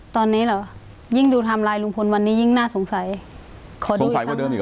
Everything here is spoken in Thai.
ตอนนี้เหรอยิ่งดูไทม์ไลน์ลุงพลวันนี้ยิ่งน่าสงสัยขอดูใสกว่าเดิมอีกเห